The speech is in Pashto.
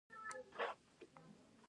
د فنګس لپاره د کوم شي تېل وکاروم؟